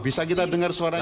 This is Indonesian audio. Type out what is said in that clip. bisa kita dengar suaranya